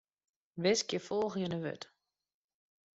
Wiskje folgjende wurd.